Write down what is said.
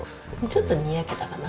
ちょっとにやけたかな。